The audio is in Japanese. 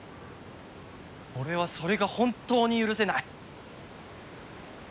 俺はそれが本当に許せない。